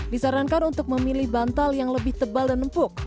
disarankan untuk memilih bantal yang lebih tebal dan empuk